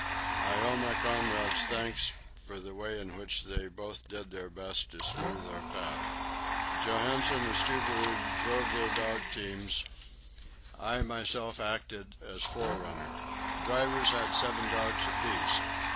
I owe my comrades thanks for the way in which they both did their best to smooth our path. Johansen and Stubberud drove their dog teams; I myself acted as "forerunner." The drivers had seven dogs apiece.